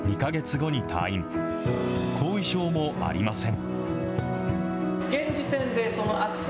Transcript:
後遺症もありません。